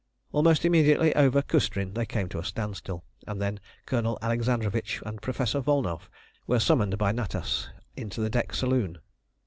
Almost immediately over Cüstrin they came to a standstill, and then Colonel Alexandrovitch and Professor Volnow were summoned by Natas into the deck saloon.